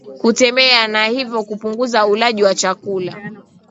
kutembea na hivyo kupunguza ulaji wa chakula